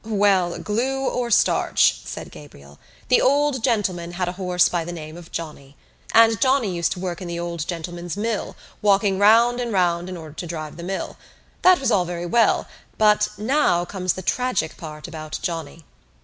"Well, glue or starch," said Gabriel, "the old gentleman had a horse by the name of Johnny. And Johnny used to work in the old gentleman's mill, walking round and round in order to drive the mill. That was all very well; but now comes the tragic part about Johnny.